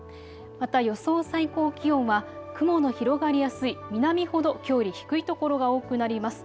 また予想最高気温は雲の広がりやすい南ほどきょうより低い所が多くなります。